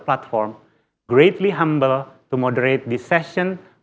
sangat berterima kasih untuk menghormati sesi ini